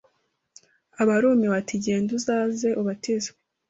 aba arumiwe, ati genda uzaze ubatizwe.